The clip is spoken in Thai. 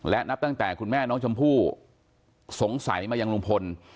และนับตั้งแต่คุณแม่น้องชมพู่สงสัยมายังลุงพล